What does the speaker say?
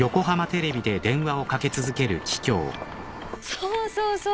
そうそうそう。